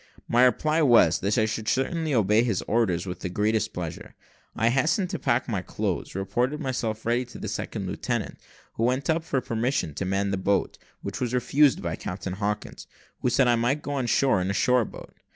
My reply was, that I should certainly obey his orders with the greatest pleasure. I hastened to pack up my clothes, reported myself ready to the second lieutenant, who went up for permission to man a boat, which was refused by Captain Hawkins, who said I might go on shore in a shore boat.